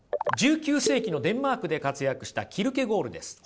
１９世紀のデンマークで活躍したキルケゴールです。